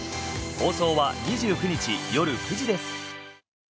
放送は２９日夜９時です。